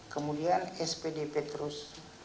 kemudian spdp terus